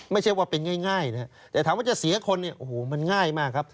ไม่ใช่ว่าเป็นง่ายนะครับแต่ถามว่าจะเสียคนเนี่ยโอ้โหมันง่ายมากครับ